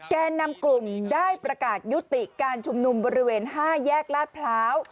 แก่นำกลุ่มได้ประกาศยุติการชุมนุมบริเวณ๕แยกลาดพร้าว